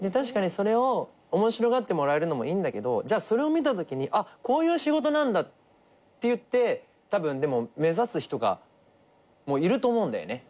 それを面白がってもらえるのもいいんだけどじゃあそれを見たときにこういう仕事なんだっていって目指す人もいると思うんだよね。